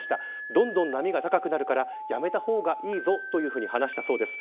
どんどん波が高くなるからやめた方がいいぞと話したそうです。